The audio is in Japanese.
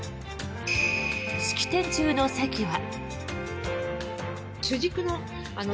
式典中の席は。